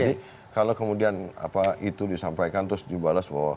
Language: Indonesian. jadi kalau kemudian itu disampaikan terus dibalas bahwa